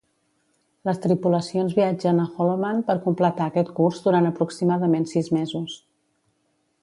Les tripulacions viatgen a Holloman per completar aquest curs durant aproximadament sis mesos.